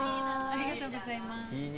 ありがとうございますいい